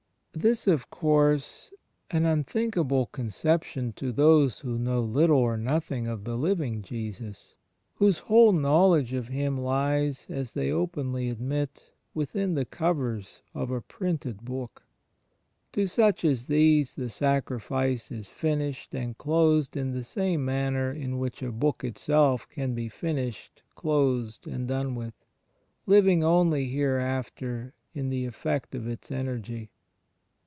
* This is, of course, an imthinkable conception to those who know little or nothing of the Living Jesus — whose whole knowledge of Him lies (as they openly admit) within the covers of a printed book. To such as these the Sacrifice is finished and closed in the same manner in which a book itself can be finished, closed and done with — living only, hereafter, in the effect of its energy.